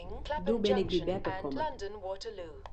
Doe bin ik by beppe kommen.